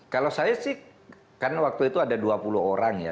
kalau saya sih karena waktu itu ada dua puluh orang ya